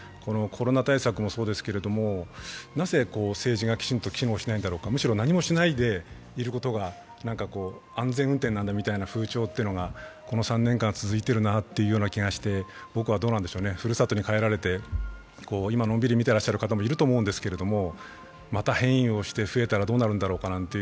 コロナ対策もそうですけれど、なぜ政治がきちんと機能しないんだろうか、むしろ何もしないでいることが安全運転なんだみたいな風潮というのがこの３年間続いているなという気がして、ふるさとに帰られて今、のんびり見てる方もいると思うんですけれどもまた変異をして増えたらどうなるんだろうかなんて